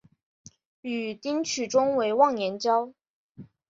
与丁取忠为忘年交。